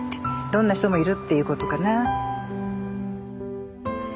どんな人もいるっていうことかな。